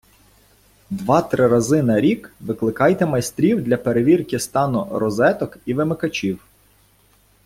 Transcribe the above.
Два-три рази на рік викликайте майстрів для перевірки стану розеток і вимикачів